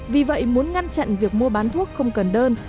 vì vậy muốn ngăn chặn việc mua bán thuốc không cần đơn